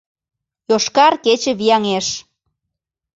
«ЙОШКАР КЕЧЕ» ВИЯҤЕШ